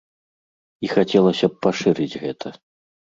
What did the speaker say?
І хацелася б пашырыць гэта.